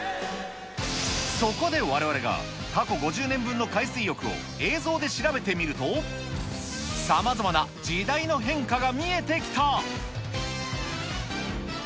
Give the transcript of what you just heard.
そこでわれわれが、過去５０年分の海水浴を映像で調べてみると、さまざまな時代の変化が見えてきた。